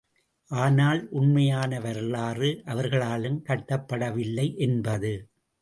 ஆனால் உண்மையான வரலாறு, அவர்களாலும் கட்டப்படவில்லை என்பது.